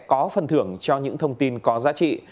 có phần thưởng cho những thông tin có giá trị